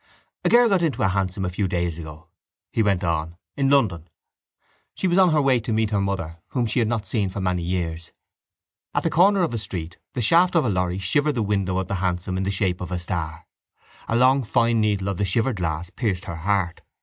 —A girl got into a hansom a few days ago, he went on, in London. She was on her way to meet her mother whom she had not seen for many years. At the corner of a street the shaft of a lorry shivered the window of the hansom in the shape of a star. A long fine needle of the shivered glass pierced her heart.